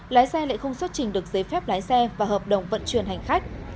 lái xe lại không xuất trình được giấy phép lái xe và hợp đồng vận chuyển hành khách